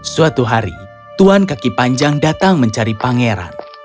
suatu hari tuan kaki panjang datang mencari pangeran